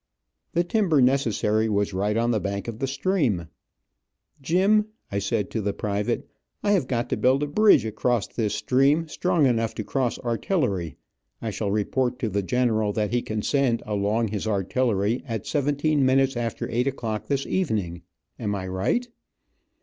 The timber necessary was right on the bank of the stream. "Jim," I said to the private, "I have got to build a bridge across this stream strong enough to cross artillery. I shall report to the general that he can send, along his artillery at seventeen minutes after eight o clock this evening. Am I right?"